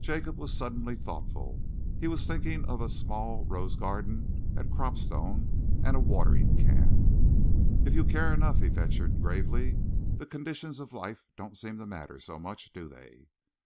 Jacob was suddenly thoughtful. He was thinking of a small rose garden at Cropstone and a watering can. "If you care enough," he ventured gravely, "the conditions of life don't seem to matter so much, do they?"